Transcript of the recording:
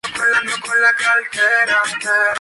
Su pareja es la bailarina Maud St-Germain.